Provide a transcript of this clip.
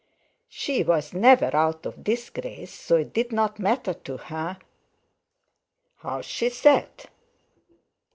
She was never out of disgrace, so it did not matter to her how she sat.